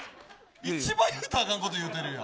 一番言うたらあかんこというてるよ。